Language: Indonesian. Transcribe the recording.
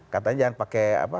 katanya jangan pakai apa